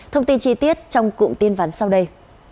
thông tin chi tiết trong cụm tin vắn sau đây